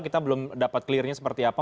kita belum dapat clearnya seperti apa